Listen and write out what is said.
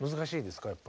やっぱり。